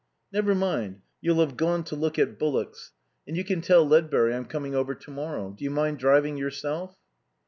"Never mind, you'll have gone to look at bullocks. And you can tell Ledbury I'm coming over to morrow. Do you mind driving yourself?"